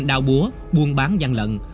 đao búa buôn bán gian lận